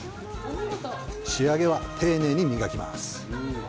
仕上げは丁寧に磨きます。